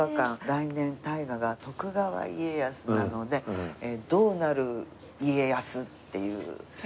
来年大河が徳川家康なので『どうなる家康』っていう芝居で。